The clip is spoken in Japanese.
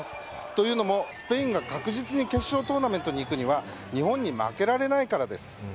というのも、スペインが確実に決勝トーナメントに行くには日本に負けられないからです。